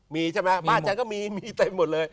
มีใช่ไหมบ้านฉันก็มีมีเต็มหมดเลย